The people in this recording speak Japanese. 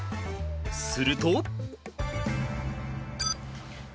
すると。